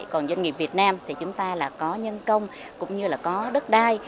còn doanh nghiệp việt nam thì chúng ta là có nhân công cũng như là có đất đai